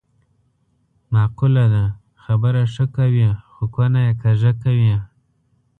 معقوله ده: خبره ښه کوې خو کونه یې کږه کوې.